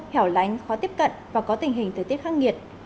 hẻo lánh khó tiếp cận và có tình hình thời tiết khắc nghiệt